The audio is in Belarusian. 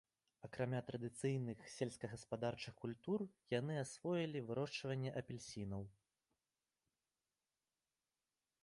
Акрамя традыцыйных сельскагаспадарчых культур, яны асвоілі вырошчванне апельсінаў.